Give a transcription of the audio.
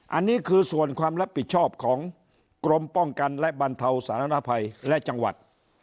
อันนี้คือส่วนความรับผิดชอบของกรมป้องกันและบรรเทาสารภัยและจังหวัด